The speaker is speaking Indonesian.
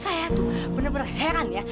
saya tuh bener bener heran ya